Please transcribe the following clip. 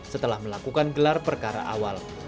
setelah melakukan gelar perkara awal